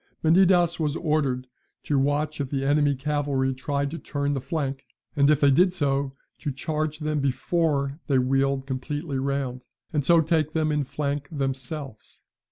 Menidas was ordered to watch if the enemy's cavalry tried to turn the flank, and if they did so, to charge them before they wheeled completely round, and so take them in flank themselves.